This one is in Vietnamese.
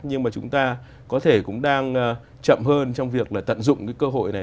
nhưng mà chúng ta có thể cũng đang chậm hơn trong việc tận dụng cơ hội này